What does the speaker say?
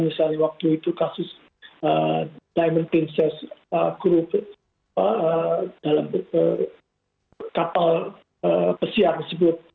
misalnya waktu itu kasus diamond princess dalam kapal pesiar disebut